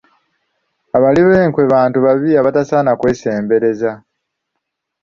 Abali b’enkwe bantu babi abatasaana kwesembereza.